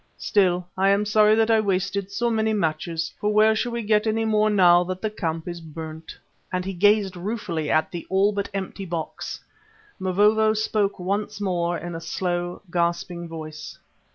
Still, I am sorry that I wasted so many matches, for where shall we get any more now that the camp is burnt?" and he gazed ruefully at the all but empty box. Mavovo spoke once more in a slow, gasping voice.